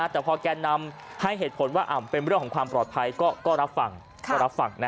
แต่พอแกนนำให้เหตุผลว่าเป็นเรื่องของความปลอดภัยก็รับฟังก็รับฟัง